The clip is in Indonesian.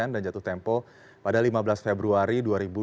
dan jatuh tempo pada lima belas februari dua ribu dua puluh lima